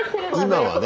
今はね